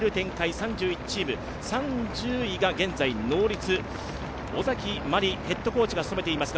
３１チーム、３０位が現在ノーリツ小崎まりヘッドコーチが務めていますが